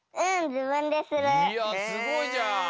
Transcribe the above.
いやすごいじゃん。